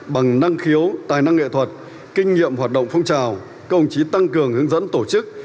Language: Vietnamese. bằng năng khiếu tài năng nghệ thuật kinh nghiệm hoạt động phong trào công chí tăng cường hướng dẫn tổ chức